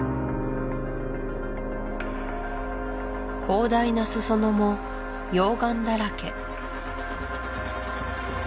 広大な裾野も溶岩だらけ